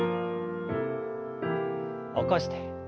起こして。